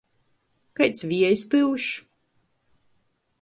Kaids viejs pyuš?